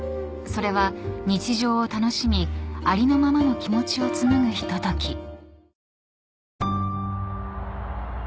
［それは日常を楽しみありのままの気持ちを紡ぐひととき］